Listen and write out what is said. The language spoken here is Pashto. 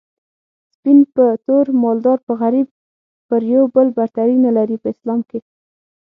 سپين په تور مالدار په غريب پر يو بل برتري نلري په اسلام کي